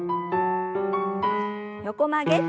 横曲げ。